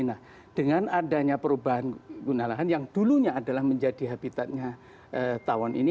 nah dengan adanya perubahan guna lahan yang dulunya adalah menjadi habitatnya tawon ini